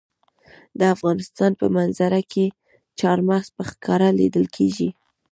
د افغانستان په منظره کې چار مغز په ښکاره لیدل کېږي.